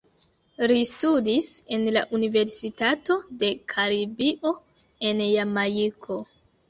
Li studis en la Universitato de Karibio en Jamajko.